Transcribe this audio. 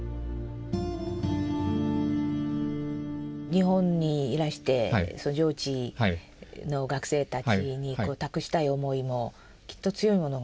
日本にいらして上智の学生たちにこう託したい思いもきっと強いものが。